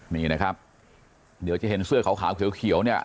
นี่นะครับเดี๋ยวจะเห็นเสื้อขาวเขียวเนี่ย